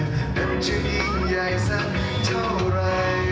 อีกเพลงหนึ่งครับนี้ให้สนสารเฉพาะเลย